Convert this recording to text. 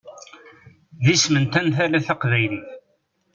D isem n tantala taqbaylit.